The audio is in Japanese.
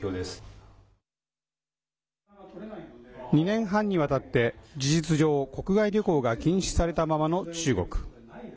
２年半にわたって事実上国外旅行が禁止されたままの中国。